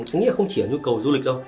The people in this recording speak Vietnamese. anh nghĩ không chỉ là nhu cầu du lịch đâu